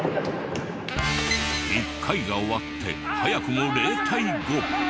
１回が終わって早くも０対５。